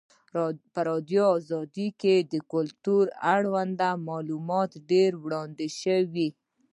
په ازادي راډیو کې د کلتور اړوند معلومات ډېر وړاندې شوي.